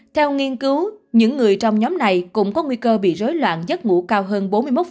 theo nghiên cứu những người trong nhóm này cũng có nguy cơ bị rối loạn giấc ngủ cao hơn bốn mươi một